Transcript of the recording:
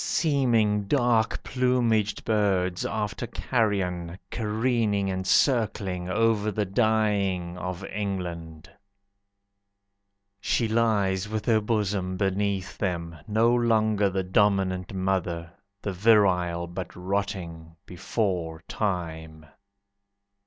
Seeming dark plumaged Birds, after carrion, Careening and circling, Over the dying Of England. She lies with her bosom Beneath them, no longer The Dominant Mother, The Virile but rotting Before time.